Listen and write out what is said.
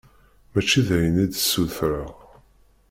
Mačči d ayen i d-sutreɣ.